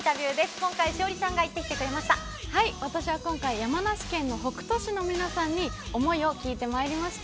山梨県の北杜市の皆さんに、想いを聞いてまいりました。